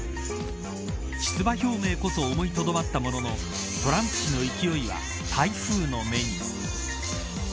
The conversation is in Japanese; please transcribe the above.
出馬表明こそ思いとどまったもののトランプ氏の勢いは台風の目に。